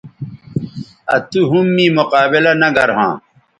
آ تو ھم می مقابلہ نہ گرھواں